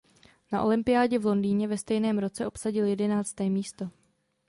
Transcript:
Na olympiádě v Londýně ve stejném roce obsadil jedenácté místo.